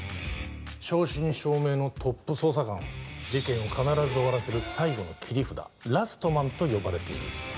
正真正銘のトップ捜査官、事件を必ず終わらせる最後の切り札、ラストマンと呼ばれている。